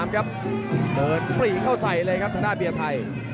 เดินปลีเข้าใส่เลยครับสนากเปียไทย